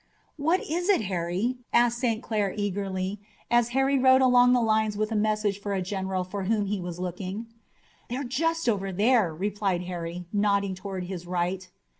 "What is it, Harry?" asked St. Clair eagerly, as Harry rode along the lines with a message for a general for whom he was looking. "They're just over there," replied Harry, nodding toward his right.